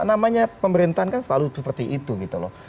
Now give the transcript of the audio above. namanya pemerintahan kan selalu seperti itu gitu loh